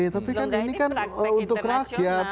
tapi kan ini kan untuk rakyat